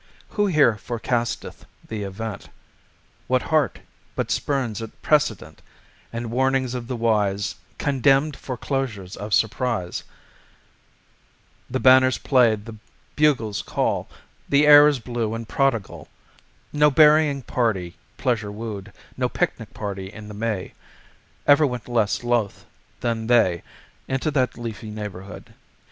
Who here forecasteth the event? What heart but spurns at precedent And warnings of the wise, Contemned foreclosures of surprise? The banners play, the bugles call, The air is blue and prodigal. No berrying party, pleasure wooed, No picnic party in the May, Ever went less loth than they Into that leafy neighborhood.